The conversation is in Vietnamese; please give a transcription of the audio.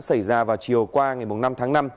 xảy ra vào chiều qua ngày năm tháng năm